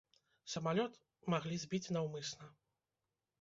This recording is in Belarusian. Самалёт маглі збіць наўмысна.